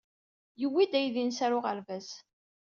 Yewwi-d aydi-nnes ɣer uɣerbaz.